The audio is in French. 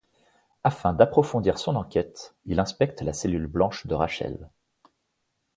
Afin d'approfondir son enquête, il inspecte la cellule blanche de Rachel.